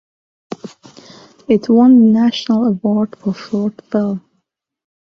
It won the National Award for short film.